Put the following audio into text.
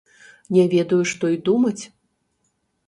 Не ведаю, што і думаць.